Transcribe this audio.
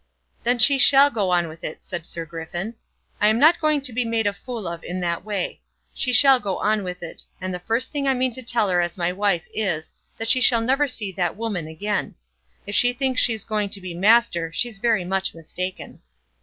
"Then she shall go on with it," said Sir Griffin. "I'm not going to be made a fool of in that way. She shall go on with it; and the first thing I mean to tell her as my wife is, that she shall never see that woman again. If she thinks she's going to be master, she's very much mistaken."